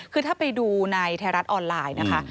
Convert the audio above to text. คือถ้าไปดูในไทยรัฐออนไลน์นะคะ